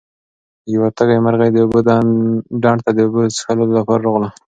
یوه تږې مرغۍ د اوبو ډنډ ته د اوبو څښلو لپاره راغله.